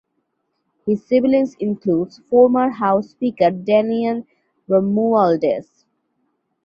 His siblings includes former House Speaker Daniel Romualdez.